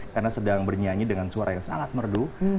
karena sedang bernyanyi dengan suara yang sangat merdu